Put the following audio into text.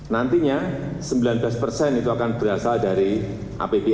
nantinya sembilan belas persen itu akan berasal dari apbn